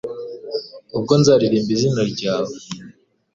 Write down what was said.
Ubwo nzaririmbe izina ryawe